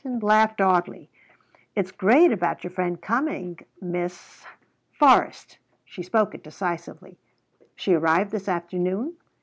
and laughed oddly. "It's great about your friend coming; Miss ?" "Forrest." She spoke it decisively. "She arrived this afternoon?"